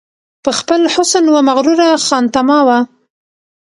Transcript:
په خپل حسن وه مغروره خانتما وه